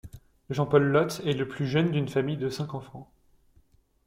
Jean-Paul Loth est le plus jeune d'une famille de cinq enfants.